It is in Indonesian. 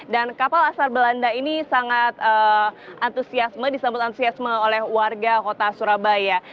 dan kapal asal belanda ini sangat disambut antusiasme oleh warga kota surabaya